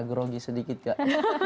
ada grogi sedikit gak